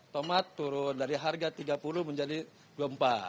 tomat turun dari harga tiga puluh menjadi rp dua puluh empat